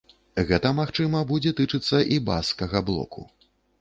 Гэта, магчыма, будзе тычыцца і баскскага блоку.